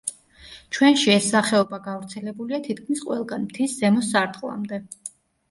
ჩვენში ეს სახეობა გავრცელებულია თითქმის ყველგან მთის ზემო სარტყლამდე.